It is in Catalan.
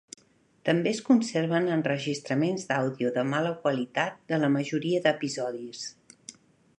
També es conserven enregistraments d'àudio de mala qualitat de la majoria d'episodis.